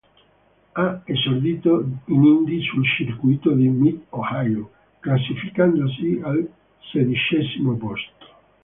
Ha esordito in Indy sul circuito di Mid-Ohio, classificandosi al sedicesimo posto.